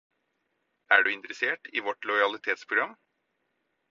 Er du interessert i vårt lojalitetsprogram?